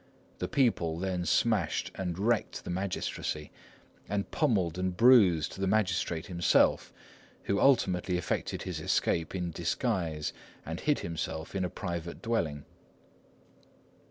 The people then smashed and wrecked the magistracy, and pummelled and bruised the magistrate himself, who ultimately effected his escape in disguise and hid himself in a private dwelling.